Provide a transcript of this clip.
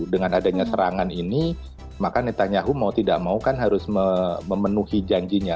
dengan adanya serangan ini maka netanyahu mau tidak mau kan harus memenuhi janjinya